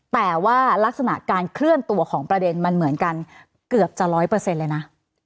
แต่ว่ารักษณะการเคลื่อนตัวของประเด็นมันเหมือนกันเกือบจะร้อยเปอร์เซ็นต์เลยนะ